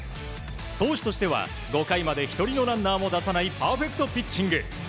投手としては５回まで１人のランナーも出さないパーフェクトピッチング。